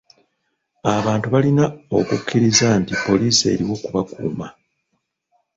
Abantu balina okukkiriza nti poliisi eriwo kubakuuma.